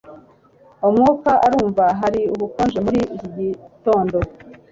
Umwuka urumva hari ubukonje muri iki gitondo